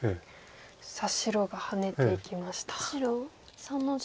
さあ白がハネていきました。